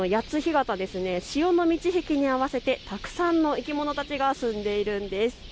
潮の満ち干に合わせてたくさんの生き物たちが住んでいるんです。